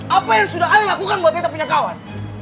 apa yang sudah ale lakukan buat beta punya kawan